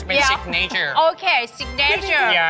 เป็นซิกเนเจอร์เห้ยโอเคซิกเนเจอร์